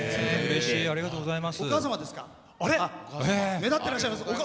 目立ってらっしゃいます。